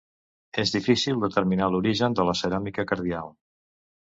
És difícil determinar l'origen de la ceràmica cardial.